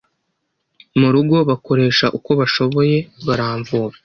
mu rugo bakoresha uko bashoboye baramvura